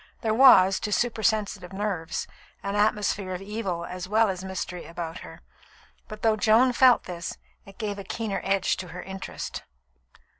There was, to supersensitive nerves, an atmosphere of evil as well as mystery about her; but though Joan felt this, it gave a keener edge to her interest.